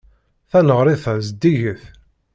Taneɣrit-a zeddiget.